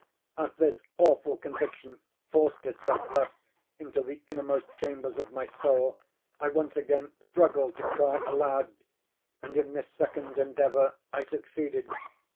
As this awful conviction forced itself, thus, into the innermost chambers of my soul, I once again struggled to cry aloud. And in this second endeavor I succeeded.